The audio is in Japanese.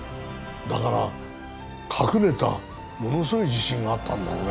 だから隠れたものすごい自信があったんだろうね。